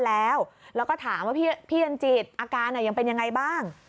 แล้วก็ถามว่าพี่จันจิตอาการยังเป็นยังไงบ้าง